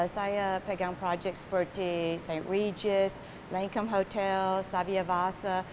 saya pegang projek seperti st regis lancome hotel savia vasa